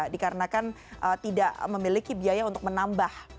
dikarenakan tidak memiliki biaya untuk menambah